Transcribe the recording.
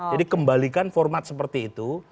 jadi kembalikan format seperti itu